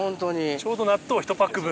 ちょうど納豆１パック分。